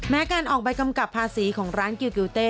การออกใบกำกับภาษีของร้านกิวเต้